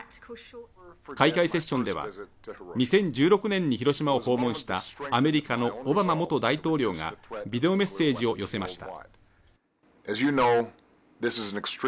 開会セッションでは、２０１６年に広島を訪問したアメリカのオバマ元大統領がビデオメッセージを寄せました。